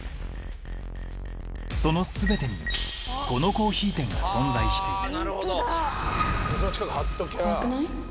その全てにこのコーヒー店が存在していた怖くない？